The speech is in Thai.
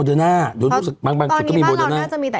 ตอนนี้บ้างเอาหน้าจะมีแต่